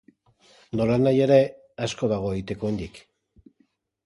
Nolanahi ere, asko dago egiteko oraindik.